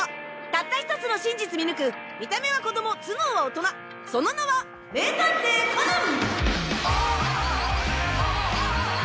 たった１つの真実見抜く見た目は子供頭脳は大人その名は名探偵コナン！